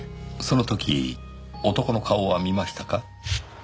その時男の顔は見ましたか？